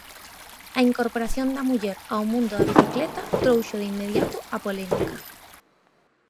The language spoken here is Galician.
A incorporación da muller ao mundo da bicicleta trouxo de inmediato a polémica.